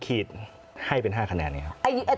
ขีดให้เป็น๕คะแนนไงครับ